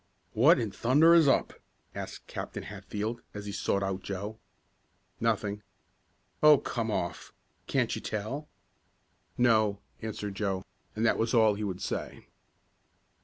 "What in thunder is up?" asked Captain Hatfield, as he sought out Joe. "Nothing." "Oh, come off! Can't you tell?" "No," answered Joe, and that was all he would say.